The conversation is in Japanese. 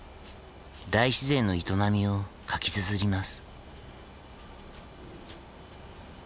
大自然の営みを書きつづります。